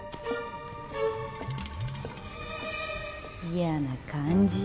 嫌な感じ。